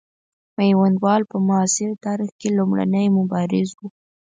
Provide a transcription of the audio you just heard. میوندوال په معاصر تاریخ کې لومړنی مبارز وو.